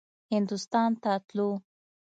هندوستان ته تلو.